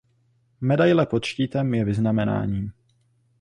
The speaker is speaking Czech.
Medaile pod štítem je vyznamenáním.